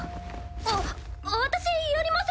あっ私やります。